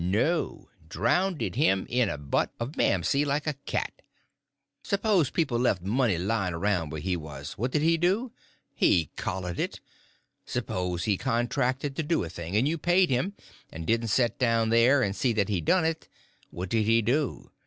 No—drownded him in a butt of mamsey, like a cat. S'pose people left money laying around where he was—what did he do? He collared it. S'pose he contracted to do a thing, and you paid him, and didn't set down there and see that he done it—what did he do?